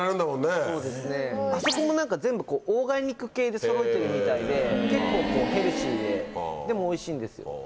そうですねあそこも全部オーガニック系でそろえてるみたいで結構ヘルシーででもおいしいんですよ。